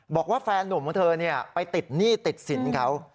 บอกว่าแฟนนุ่มของเธอไปติดหนี้ติดสินเขา